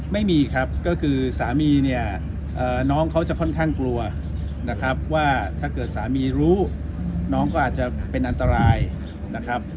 ไม่มีครับก็คือสามีเนี่ยน้องเขาจะค่อนข้างกลัวนะครับว่าถ้าเกิดสามีรู้น้องก็อาจจะเป็นอันตรายนะครับ